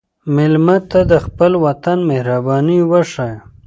مېلمه ته د خپل وطن مهرباني وښیه.